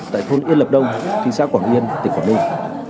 tại thôn yên lập đông thị xã quảng yên tỉnh quảng ninh